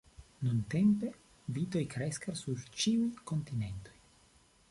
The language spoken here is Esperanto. Nuntempe vitoj kreskas sur ĉiuj kontinentoj.